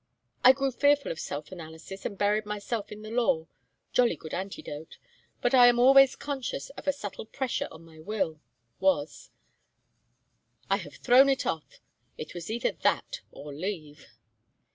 "I grew fearful of self analysis and buried myself in the law jolly good antidote but I am always conscious of a subtle pressure on my will was. I have thrown it off. It was either that or leave."